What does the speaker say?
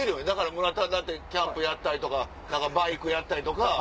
村田だってキャンプやったりバイクやったりとか。